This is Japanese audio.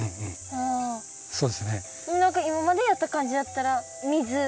何か今までやった感じだったら水。